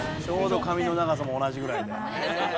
ちょうど髪の長さも同じぐらいで。